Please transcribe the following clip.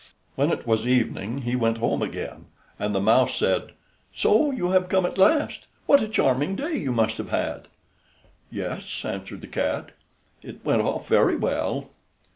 When it was evening he went home again, and the mouse said: "So you have come at last; what a charming day you must have had!" "Yes," answered the cat; "it went off very well!"